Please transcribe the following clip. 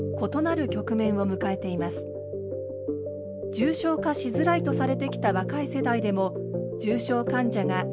重症化しづらいとされてきた若い世代でも重症患者が急増。